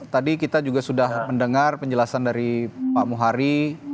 tadi kita juga sudah mendengar penjelasan dari pak muhari